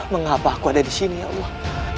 mengapa aku ada disini ya allah